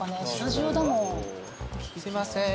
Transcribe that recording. すいません。